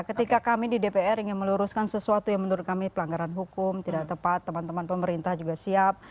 ketika kami di dpr ingin meluruskan sesuatu yang menurut kami pelanggaran hukum tidak tepat teman teman pemerintah juga siap